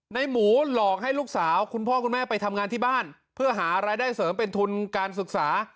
หมูหลอกให้ลูกสาวคุณพ่อคุณแม่ไปทำงานที่บ้านเพื่อหารายได้เสริมเป็นทุนการศึกษา